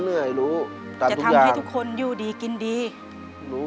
เปลี่ยนเพลงเก่งของคุณและข้ามผิดได้๑คำ